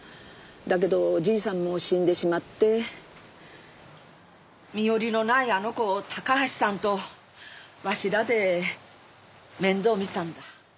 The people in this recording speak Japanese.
だけどじいさんも死んでしまって身寄りのないあの子をタカハシさんとわしらで面倒みたんだ。